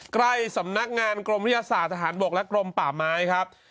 ใกล้สำนักงานกรมวิทยาศาสตร์ทหารบกและกรมป่าไม้ครับ